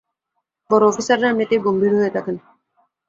বড় অফিসাররা এমনিতেই গম্ভীর হয়ে থাকেন।